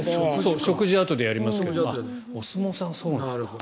食事、あとでやりますがお相撲さん、そうなんだ。